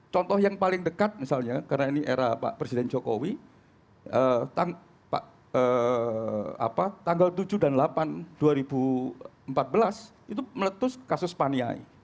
contoh yang paling dekat misalnya karena ini era pak presiden jokowi tanggal tujuh dan delapan dua ribu empat belas itu meletus kasus paniai